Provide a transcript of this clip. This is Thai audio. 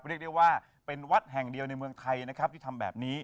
เรียกได้ว่าเป็นวัดแห่งเดียวในเมืองไทยนะครับที่ทำแบบนี้